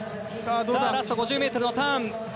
ラスト５０ｍのターン。